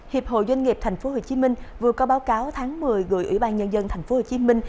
hiệp hội doanh nghiệp tp hcm vừa có báo cáo tháng một mươi gửi ủy ban nhân dân tp hcm